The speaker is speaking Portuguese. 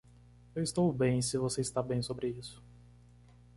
Eu estou bem se você está bem sobre isso.